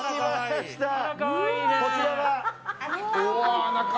こちらが。